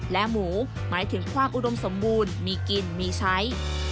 และหมูหมายถึงความอุดมสมบูรณ์มีกินมีใช้